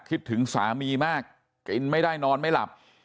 คิดถึงสามีมากกินไม่ได้นอนไม่หลับ